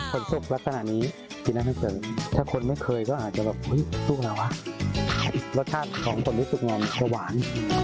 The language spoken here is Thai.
สนุกลักษณะนี้กินอาหารเจอถ้าคนไม่เคยก็อาจจะแบบก็สุดอะไรวะรสชาติของคนที่สุดก็หวาน